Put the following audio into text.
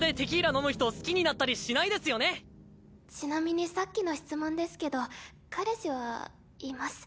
やっぱ普通はちなみにさっきの質問ですけど彼氏はいます。